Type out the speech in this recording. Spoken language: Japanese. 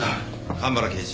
蒲原刑事